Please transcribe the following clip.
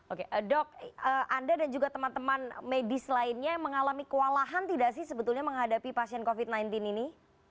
oke dok anda dan juga teman teman medis lainnya mengalami kewalahan tidak sih sebetulnya menghadapi pasien covid sembilan belas ini